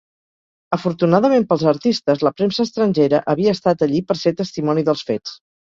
Afortunadament pels artistes, la premsa estrangera havia estat allí per ser testimoni dels fets.